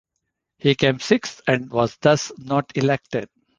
He came sixth and was thus not elected.